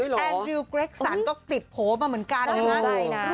แอนดริวเกร็กสันก็ติดโผล่มาเหมือนกันนะฮะ